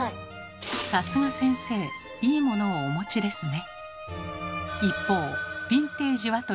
さすが先生いいモノをお持ちですね。